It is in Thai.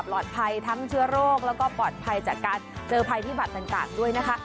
ทั้งเชื้อโรคแล้วก็ปลอดภัยจากการเจอภัยพิบัตรต่างด้วยนะคะ